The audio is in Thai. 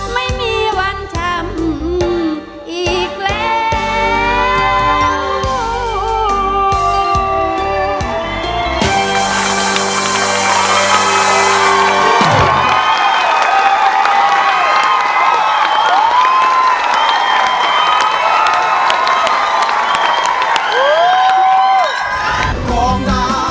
ไม่มีวันช้ำ